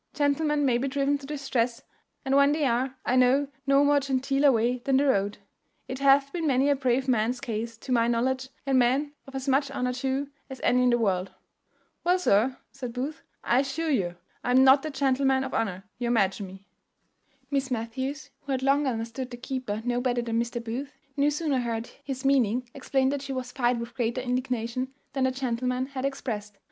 Gentlemen may be driven to distress, and when they are, I know no more genteeler way than the road. It hath been many a brave man's case, to my knowledge, and men of as much honour too as any in the world." "Well, sir," said Booth, "I assure you I am not that gentleman of honour you imagine me." Miss Matthews, who had long understood the keeper no better than Mr. Booth, no sooner heard his meaning explained than she was fired with greater indignation than the gentleman had expressed.